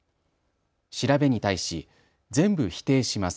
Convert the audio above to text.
調べに対し、全部否定します。